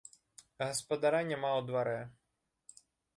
Гаспадара няма ў дварэ.